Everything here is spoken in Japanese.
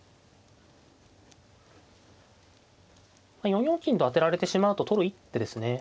４四金と当てられてしまうと取る一手ですね。